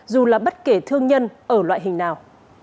dù là bất kể thương nhân ở loại hình nào